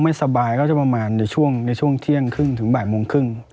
ไม่สบายก็จะประมาณในช่วงเที่ยงครึ่งถึงบ่ายโมงครึ่ง